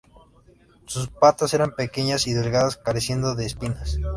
Sus patas eran pequeñas y delgadas, careciendo de espinas.